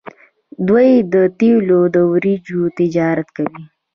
دوی د تیلو او وریجو تجارت کوي.